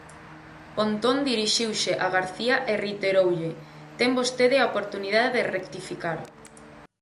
Pontón dirixiuse a García e reiteroulle: Ten vostede a oportunidade de rectificar.